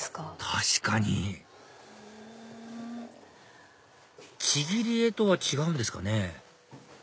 確かにちぎり絵とは違うんですかね？